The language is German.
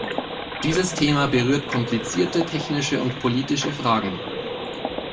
Dieses Thema berührt komplizierte technische und politische Fragen.